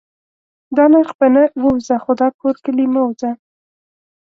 دا نرخ په نه. ووځه خو دا کور کلي مه ووځه